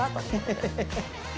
ハハハハ！